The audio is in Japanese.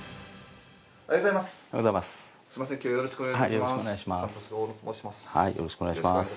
◆おはようございます。